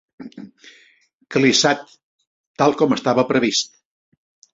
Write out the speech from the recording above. Clissat, tal com estava previst.